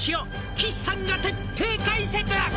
「岸さんが徹底解説！」